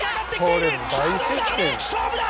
勝負だ！